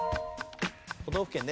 都道府県ね。